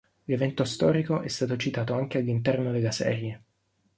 L'evento storico è stato citato anche all'interno della serie.